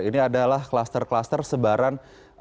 ini adalah kluster kluster sebaran